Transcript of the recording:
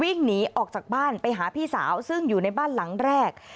วิ่งหนีออกจากบ้านไปหาพี่สาวซึ่งอยู่ในบ้านหลังแรก